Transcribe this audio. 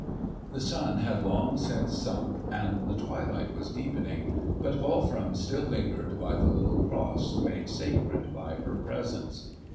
The sun had long since sunk, and the twilight was deepening, but Wolfram still lingered by the little cross made sacred by her presence.